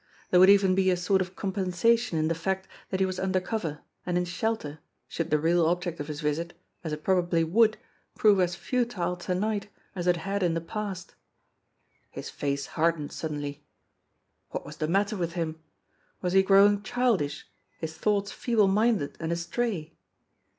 There would even be a sort of compensation in the fact that he was under cover and in shelter should the real object of his visit, as it probably would, prove as futile to night as it had in the past. His face hardened suddenly. What was the matter with him ? Was he growing childish, his thoughts feeble minded and astray?